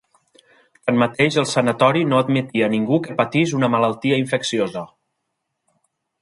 Tanmateix, el sanatori no admetia ningú que patís una malaltia infecciosa.